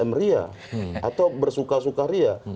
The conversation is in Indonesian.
lsm ria atau bersuka suka ria